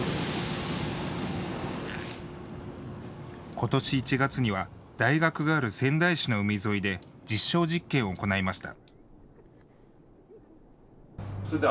ことし１月には大学がある仙台市の海沿いで実証実験を行いました。